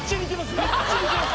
めっちゃ似てます。